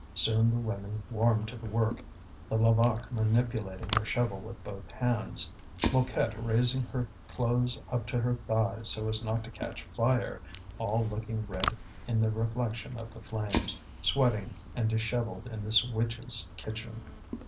Soon the women warmed to the work, the Levaque manipulating her shovel with both hands, Mouquette raising her clothes up to her thighs so as not to catch fire, all looking red in the reflection of the flames, sweating and dishevelled in this witch's kitchen.